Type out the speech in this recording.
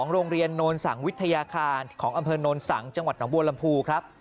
โรงเรียนโนนสังวิทยาคารของอำเภอโนนสังจังหวัดหนองบัวลำพูครับ